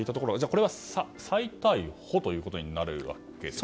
これは再逮捕ということになるわけですか？